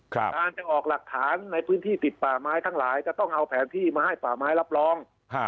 การจะออกหลักฐานในพื้นที่ติดป่าไม้ทั้งหลายจะต้องเอาแผนที่มาให้ป่าไม้รับรอง